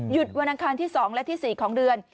วันอังคารที่๒และที่๔ของเดือน